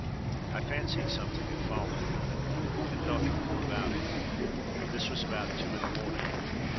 I fancied something had fallen, and thought no more about it. This was about two in the morning.